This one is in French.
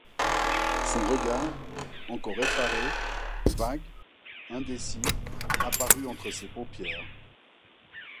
Son regard, encore effaré, vague, indécis, apparut entre ses paupières.